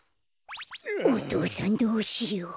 お父さんどうしよう。